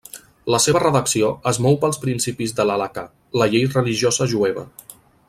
La seva redacció es mou pels principis de l'Halacà, la llei religiosa jueva.